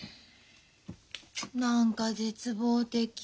何か絶望的。